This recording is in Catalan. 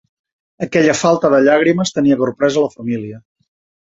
Aquella falta de llàgrimes tenia corpresa a la família.